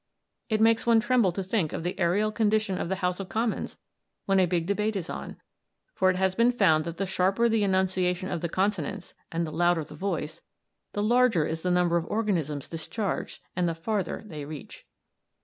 It makes one tremble to think of the aërial condition of the House of Commons when a big debate is on, for it has been found that the sharper the enunciation of the consonants, and the louder the voice, the larger is the number of organisms discharged and the farther they reach!